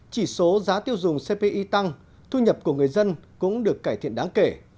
chỉ số giá tiêu dùng cpi tăng thu nhập của người dân cũng được cải thiện đáng kể